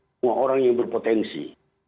semua orang yang berpotensi